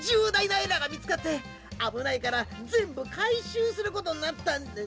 エラーがみつかってあぶないからぜんぶかいしゅうすることになったん。